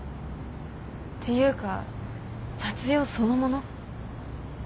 ていうか雑用そのもの。